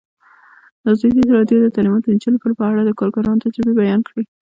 ازادي راډیو د تعلیمات د نجونو لپاره په اړه د کارګرانو تجربې بیان کړي.